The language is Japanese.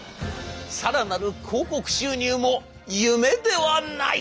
更なる広告収入も夢ではない。